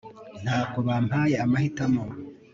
ntabwo bampaye amahitamo